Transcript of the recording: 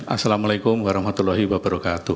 assalamu alaikum warahmatullahi wabarakatuh